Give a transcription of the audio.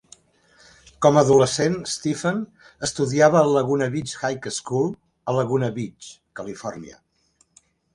Com a adolescent, Stephen estudiava al Laguna Beach High School, a Laguna Beach, Califòrnia.